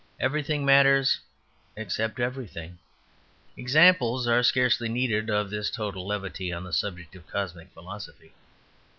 Everything matters except everything. Examples are scarcely needed of this total levity on the subject of cosmic philosophy.